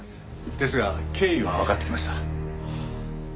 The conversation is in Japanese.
ですが経緯はわかってきました。